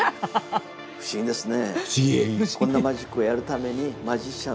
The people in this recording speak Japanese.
不思議ですね。